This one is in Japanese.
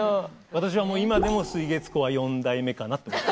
私は今でも水月湖は四大目かなと。